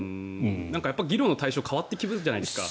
議論の対象が変わってくるじゃないですか。